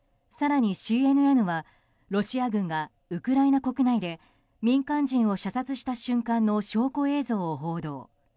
更にＣＮＮはロシア軍がウクライナ国内で民間人を射殺した瞬間の証拠映像を報道。